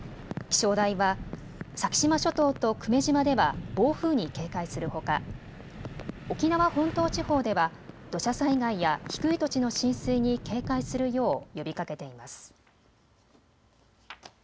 気象台は先島諸島と久米島では暴風に警戒するほか沖縄本島地方では土砂災害や低い土地の浸水に警戒するよう呼びかけています。